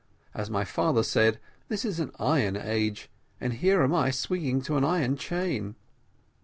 As my father said, this is an iron age, and here I am swinging to an iron chain."